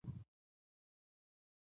وریجې په لغمان کې کیږي